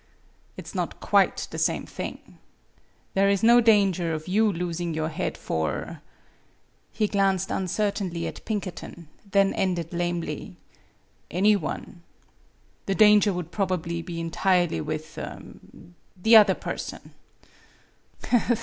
" It is not quite the same thing. There is no danger of you losing your head for " he glanced uncertainly at Pinkerton, then ended lamely " any one. The danger would probably be entirely with the other person."